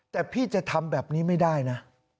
แต่พี่จะทำแบบนี้ไม่ได้นะ